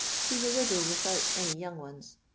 She 's a widow without any young ones.